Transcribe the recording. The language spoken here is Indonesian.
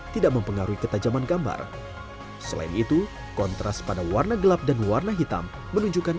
tidak mempengaruhi ketajaman gambar selain itu kontras pada warna gelap dan warna hitam menunjukkan